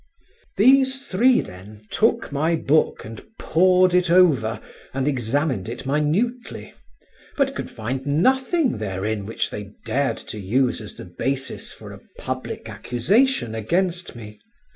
These three, then, took my book and pawed it over and examined it minutely, but could find nothing therein which they dared to use as the basis for a public accusation against me.